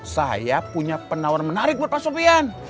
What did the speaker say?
saya punya penawaran menarik buat pak sopian